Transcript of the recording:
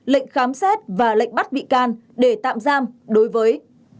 lệnh khám xét và lệnh bắt bị can để tạm giam đối với